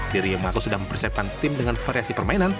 diri yang mengaku sudah mempersiapkan tim dengan variasi game plan